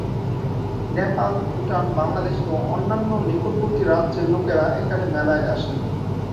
নেপাল, ভুটান, বাংলাদেশ এবং অন্যান্য নিকটবর্তী রাজ্যের লোকেরা এখানে মেলায় আসে।